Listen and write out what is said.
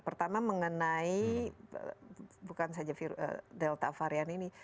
pertama mengenai bukan saja delta varian ini